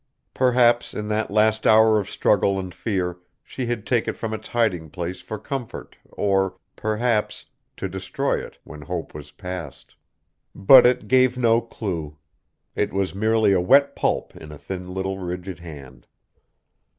Perhaps in that last hour of struggle and fear, she had taken it from its hiding place for comfort or, perhaps, to destroy it when hope was past. But it gave no clue. It was merely a wet pulp in a thin little rigid hand!